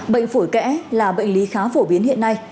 bệnh phổi kẽ là bệnh lý khá phổ biến hiện nay